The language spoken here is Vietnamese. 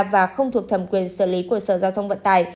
và không thuộc thẩm quyền xử lý của sở giao thông vận tải